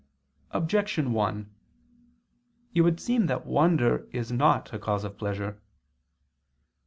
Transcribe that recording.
Objection 1: It would seem that wonder is not a cause of pleasure.